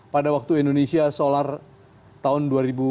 pada waktu indonesia solar tahun dua ribu lima